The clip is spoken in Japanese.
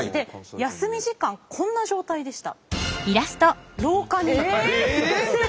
休み時間こんな状態でした。